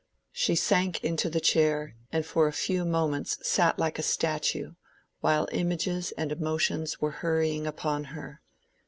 She sank into the chair, and for a few moments sat like a statue, while images and emotions were hurrying upon her.